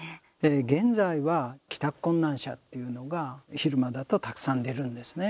現在は帰宅困難者というのが昼間だとたくさん出るんですね。